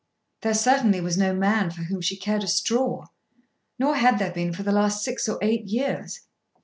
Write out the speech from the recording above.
There certainly was no man for whom she cared a straw; nor had there been for the last six or eight years.